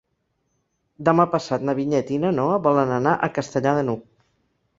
Demà passat na Vinyet i na Noa volen anar a Castellar de n'Hug.